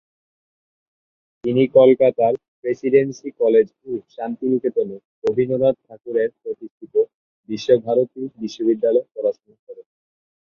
তিনি কলকাতার presidency college ও শান্তিনিকেতনে রবীন্দ্রনাথ ঠাকুরের প্রতিষ্ঠিত বিশ্বভারতী বিশ্ববিদ্যালয়ে পড়াশোনা করেন।